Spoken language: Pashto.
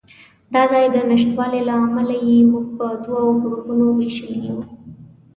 د ځای د نشتوالي له امله یې موږ په دوو ګروپونو وېشلي یو.